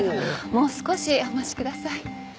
「もう少しお待ちください」